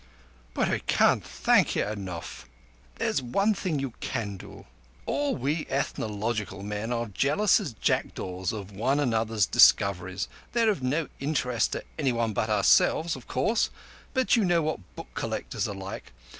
"But I can't thank you enough." "There's one thing you can do. All we Ethnological men are as jealous as jackdaws of one another's discoveries. They're of no interest to anyone but ourselves, of course, but you know what book collectors are like.